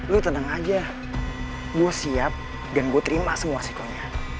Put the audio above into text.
lu tenang aja gue siap dan gue terima semua psikonya